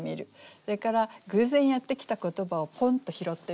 それから偶然やって来た言葉をポンと拾ってみる。